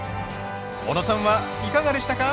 小野さんはいかがでしたか？